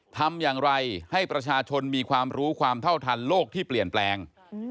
ทำอย่างไรให้ประชาชนมีความรู้ความเท่าทันโลกที่เปลี่ยนแปลง